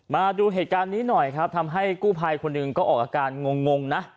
มาดูเหตุการณ์นี้หน่อยครับทำให้กู้ภัยคนหนึ่งก็ออกอาการงงนะ